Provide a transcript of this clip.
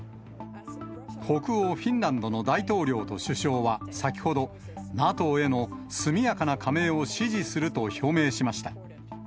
北欧フィンランドの大統領と首相は先ほど、ＮＡＴＯへの速やかな加盟を支持すると表明しました。